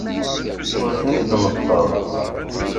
Ur ten-id-neṭṭqeɣ.